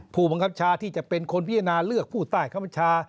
ผู้บังคับชาที่จะเป็นคนพิจารณาเลือกผู้ใต้คำบัญชา